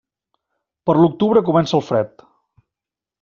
Per l'octubre comença el fred.